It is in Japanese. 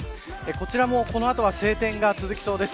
こちらもこの後は晴天が続きそうです。